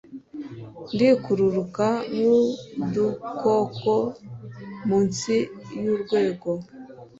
ndikururuka nk'udukoko munsi y'urwego